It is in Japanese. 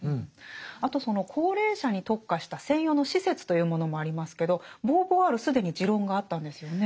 あとその高齢者に特化した専用の施設というものもありますけどボーヴォワール既に持論があったんですよね。